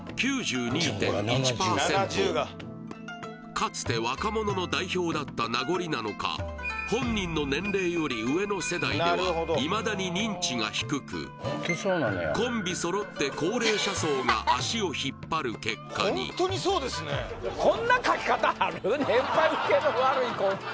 かつて若者の代表だった名残なのか本人の年齢より上の世代ではいまだに認知が低くコンビ揃って高齢者層が足を引っ張る結果に年配受けの悪いコンビ